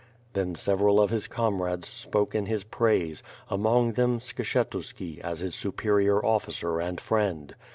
Then several of his comrades spoke in his praise, among them, Skshetuski, as his superior officer and friend.